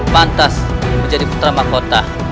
pantas menjadi putra mahkota